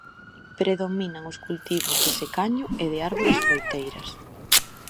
Predominan os cultivos de secaño e de árbores froiteiras.